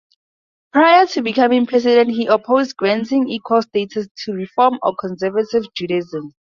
Prior to becoming President, he opposed granting equal status to Reform or Conservative Judaism.